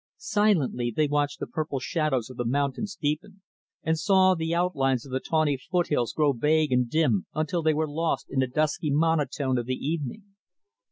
Silently, they watched the purple shadows of the mountains deepen; and saw the outlines of the tawny foothills grow vague and dim, until they were lost in the dusky monotone of the evening.